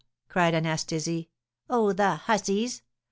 cried Anastasie. "Oh, the hussies!